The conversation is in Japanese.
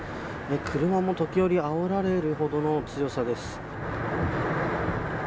車も時折あおられるほどの強さです。